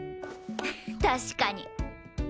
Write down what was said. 確かに。